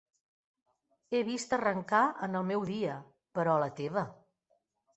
He vist arrencar en el meu dia, però la teva!